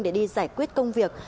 để đi giải quyết công việc